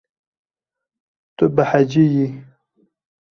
Tu behecî yî.